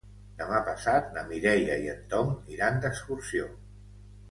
Demà passat na Mireia i en Tom iran d'excursió.